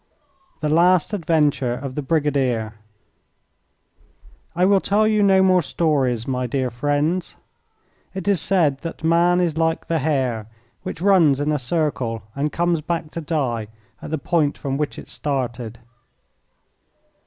The Last Adventure of the Brigadier I will tell you no more stories, my dear friends. It is said that man is like the hare, which runs in a circle and comes back to die at the point from which it started.